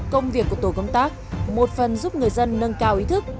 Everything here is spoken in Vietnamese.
công việc của tổ công tác một phần giúp người dân nâng cao ý thức